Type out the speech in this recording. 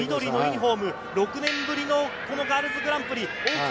６年ぶりのガールズグランプリ。